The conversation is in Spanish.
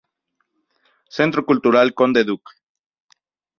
Centro Cultural Conde Duque.